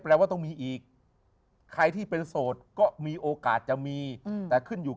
ว่าต้องมีอีกใครที่เป็นโสดก็มีโอกาสจะมีแต่ขึ้นอยู่